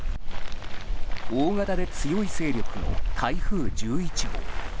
大型で強い勢力の台風１１号。